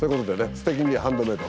「すてきにハンドメイド」